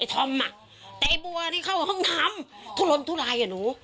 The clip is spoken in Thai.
ไอ้ธอมอะแต่ไอ้บัวนี่เข้าห้องทำทุลมทุลายอ่ะหนู